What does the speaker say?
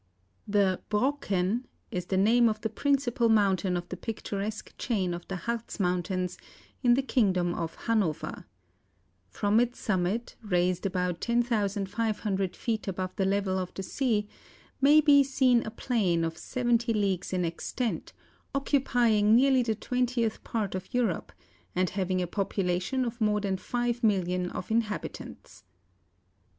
The Brocken is the name of the principal mountain of the picturesque chain of the Hartz mountains, in the kingdom of Hanover, From its summit, raised about 10,500 feet above the level of the sea, may be seen a plain of 70 leagues in extent, occupying nearly the twentieth part of Europe, and having a population of more than 5,000,000 of inhabitants.